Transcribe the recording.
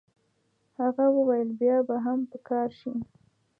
هغه وویل بیا به هم په کار شي.